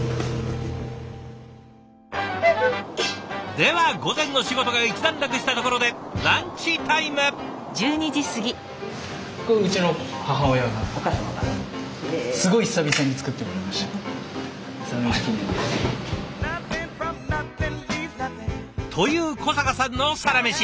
では午前の仕事が一段落したところでランチタイム！という小坂さんのサラメシ！